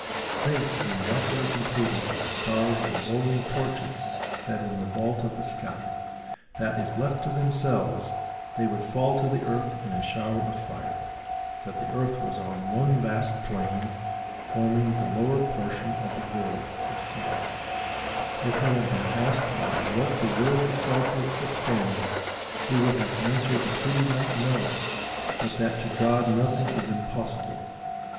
Thence he naturally concluded that the stars were rolling torches set in the vault of the sky; that, if left to themselves, they would fall to the earth in a shower of fire; that the earth was one vast plain, forming the lower portion of the world, &c. If he had been asked by what the world itself was sustained, he would have answered that he did not know, but that to God nothing is impossible.